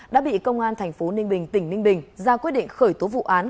đã bị công an thành phố ninh bình tỉnh ninh bình ra quyết định khởi tố vụ án